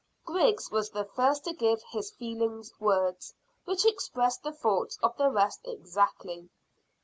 Griggs was the first to give his feelings words, which expressed the thoughts of the rest exactly.